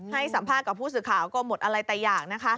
ให้สัมภาษณ์กับผู้สื่อข่าวก็หมดอะไรแต่อย่างนะคะ